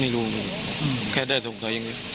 ไม่รู้แค่ได้ตัวของมันนี่